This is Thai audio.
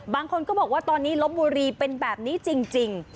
บางคนก็บอกว่าตอนนี้ลบบุรีเป็นแบบนี้จริง